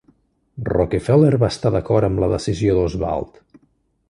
Rockefeller va estar d'acord amb la decisió d'Oswald.